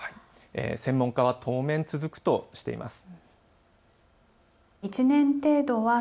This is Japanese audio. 専門家は当面、続くとしています。